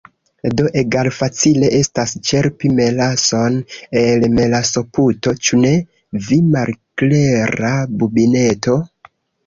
Do egalfacile estas ĉerpi melason el melasoputo, ĉu ne? vi malklera bubineto?